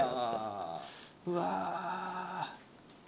うわ。